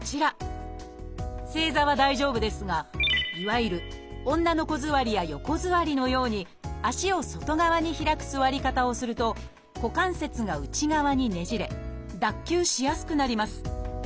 正座は大丈夫ですがいわゆる女の子座りや横座りのように足を外側に開く座り方をすると股関節が内側にねじれ脱臼しやすくなります。